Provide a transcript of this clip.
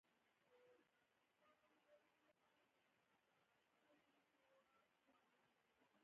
بابېړي یې ورباندې وکړ.